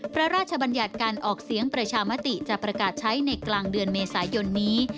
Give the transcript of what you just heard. พระราชบัญญัติการออกเสียงประชามติจะประกาศใช้ในกลางเดือนเมษายนนี้